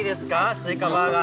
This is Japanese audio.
スイカバーガー。